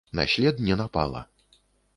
На след не напала.